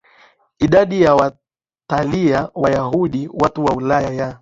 idadi ya Waitalia Wayahudi na watu wa Ulaya ya